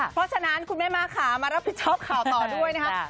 เพราะฉะนั้นคุณแม่ม้าขามารับผิดชอบข่าวต่อด้วยนะครับ